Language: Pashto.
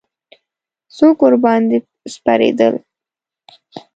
څوک ورباندې سپرېدل.